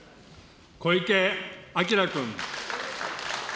小池晃君。